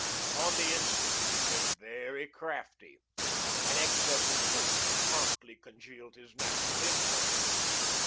Upon the instant, he became very crafty; an excess of prudence promptly congealed his natural impulses.